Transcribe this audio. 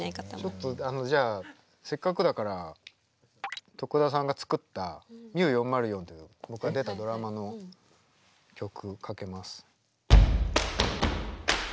ちょっとじゃあせっかくだから得田さんが作った「ＭＩＵ４０４」という僕が出たドラマの曲かけます。